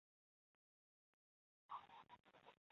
宋高宗诏张俊援楚州。